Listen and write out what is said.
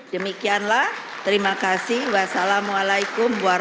demikianlah terima kasih